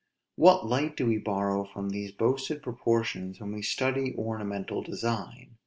What light do we borrow from these boasted proportions, when we study ornamental design?